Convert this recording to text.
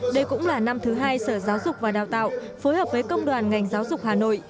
đây cũng là năm thứ hai sở giáo dục và đào tạo phối hợp với công đoàn ngành giáo dục hà nội